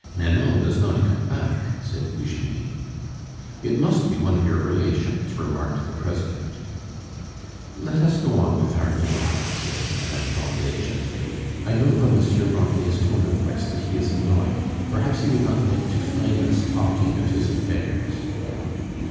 "Nanon does not come back," said Eugenie. "It must be one of your relations," remarked the president. "Let us go on with our game," said Madame Grandet gently. "I know from Monsieur Grandet's tone of voice that he is annoyed; perhaps he would not like to find us talking of his affairs."